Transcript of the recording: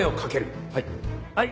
はい。